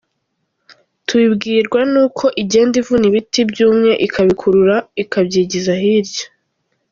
Tubibwirwa n’uko igenda ivuna ibiti byumye ikabikurura ikabyigiza hirya.